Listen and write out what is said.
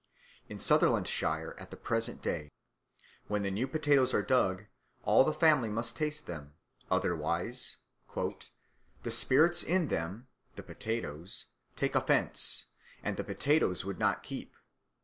In Sutherlandshire at the present day, when the new potatoes are dug all the family must taste them, otherwise "the spirits in them [the potatoes] take offence, and the potatoes would not keep."